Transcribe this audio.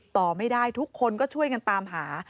ต่อไม่ได้ทุกคนก็ช่วยกันตามหา